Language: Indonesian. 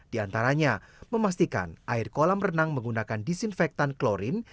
diantaranya memastikan air kolam renang menggunakan disinfektan klorin